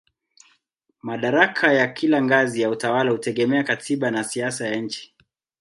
Madaraka ya kila ngazi ya utawala hutegemea katiba na siasa ya nchi.